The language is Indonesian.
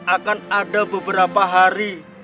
akan ada beberapa hari